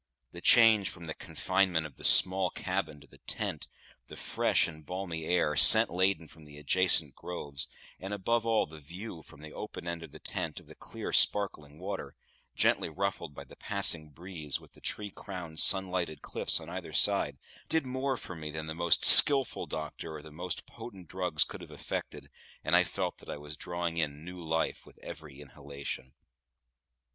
The change from the confinement of the small cabin to the tent, the fresh and balmy air, scent laden from the adjacent groves, and, above all, the view from the open end of the tent of the clear sparkling water, gently ruffled by the passing breeze, with the tree crowned, sun lighted cliffs on either side, did more for me than the most skilful doctor or the most potent drugs could have effected, and I felt that I was drawing in new life with every inhalation.